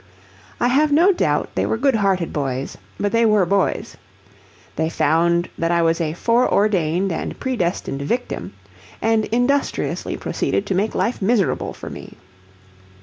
I have no doubt they were good hearted boys, but they were boys! They found that I was a foreordained and predestined victim, and industriously proceeded to make life miserable for me.